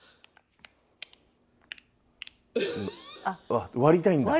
あっ割りたいんだ。